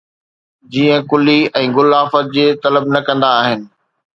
جيئن ڪُلي ۽ گل آفت جي طلب نه ڪندا آهن